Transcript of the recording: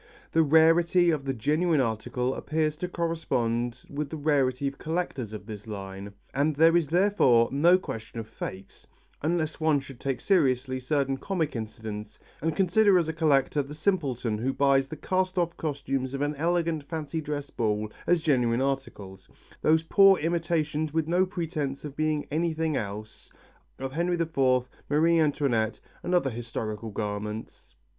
The rarity of the genuine article appears to correspond with the rarity of collectors of this line, and there is therefore no question of fakes, unless one should take seriously certain comic incidents and consider as a collector the simpleton who buys the cast off costumes of an elegant fancy dress ball as genuine articles, those poor imitations, with no pretence at being anything else, of Henry IV, Marie Antoinette, and other historical garments.